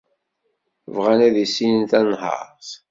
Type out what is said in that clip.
Bɣan ad issinen tanhart.